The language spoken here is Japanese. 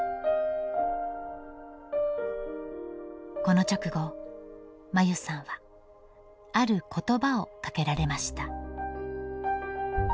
この直後真優さんはある言葉をかけられました。